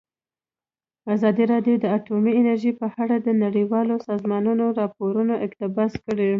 ازادي راډیو د اټومي انرژي په اړه د نړیوالو سازمانونو راپورونه اقتباس کړي.